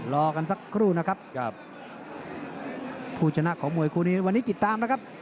รอกันสักครู่นะครับผู้ชนะของมวยคู่นี้วันนี้ติดตามนะครับ